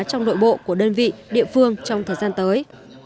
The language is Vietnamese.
trong nội bộ của đơn vị địa phương trong thời gian tới